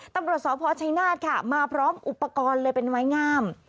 ตำรวจสพชัยนาธค่ะมาพร้อมอุปกรณ์เลยเป็นไม้งาม